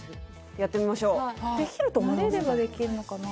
やってみましょうできると思います慣れればできるのかな？